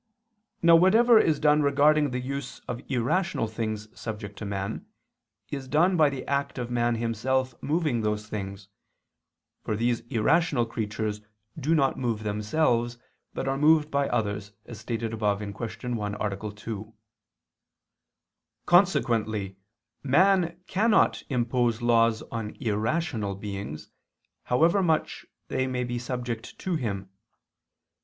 Now whatever is done regarding the use of irrational things subject to man, is done by the act of man himself moving those things, for these irrational creatures do not move themselves, but are moved by others, as stated above (Q. 1, A. 2). Consequently man cannot impose laws on irrational beings, however much they may be subject to him.